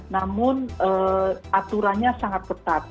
namun aturannya sangat ketat